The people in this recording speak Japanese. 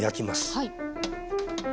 はい。